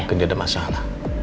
bukan dia ada masalah